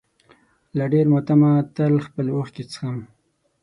له ډېر ماتمه تل خپلې اوښکې څښم.